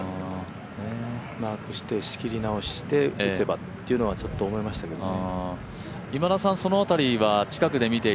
マークして仕切り直しして打てばっていうのはちょっと思いましたけどね。